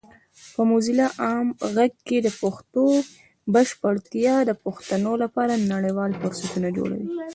په موزیلا عام غږ کې د پښتو بشپړتیا د پښتنو لپاره نړیوال فرصتونه جوړوي.